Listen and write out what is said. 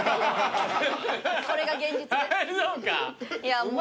これが現実です。